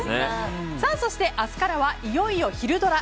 そして明日からはいよいよひるドラ！